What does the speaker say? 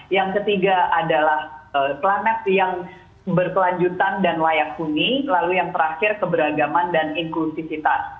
yang ketiga adalah planet yang berkelanjutan dan layak huni lalu yang terakhir keberagaman dan inklusivitas